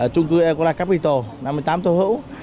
trung cư ecolac capital năm mươi tám tô hữu